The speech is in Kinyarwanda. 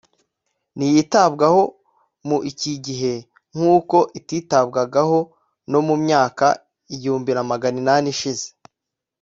,ntiyitabwaho mu iki gihe nk’uko atitabwagaho no mu myaka igihumbi na maganinane ishize